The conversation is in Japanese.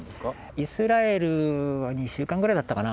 イスラエルに、２週間ぐらいだったかな。